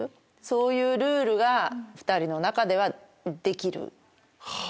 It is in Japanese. そういうルールが２人の中ではできる。